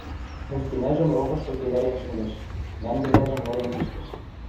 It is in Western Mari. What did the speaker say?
мустинӓжӹм рокышкы кедӓрен шӹндӹш, мӓнгӹвлӓжӹм олен пиштӹш.